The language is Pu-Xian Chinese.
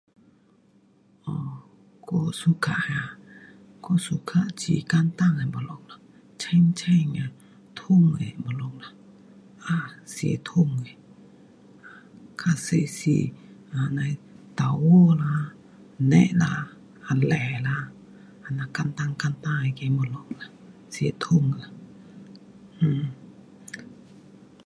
um 我 [suka] 我 [suka] 煮简单的东西。浅浅的汤的东西。um 是汤的东西。是 [unintelligible] 豆腐, [unintelligible] [unintelligible] 是汤的。